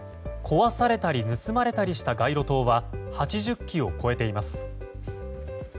壊されたり盗まれたりした街路灯は８０基を超えています。